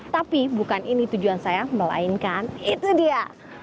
tapi bukan ini tujuan saya melainkan itu dia